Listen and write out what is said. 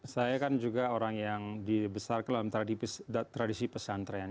saya kan juga orang yang dibesarkan dalam tradisi pesantren